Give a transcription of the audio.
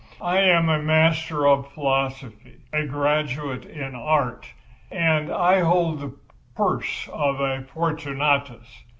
"I am a master of philosophy, a graduate in art, and I hold the purse of a Fortunatus.